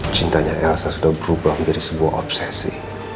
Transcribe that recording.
cintanya elsa sudah berubah menjadi sebuah obsesi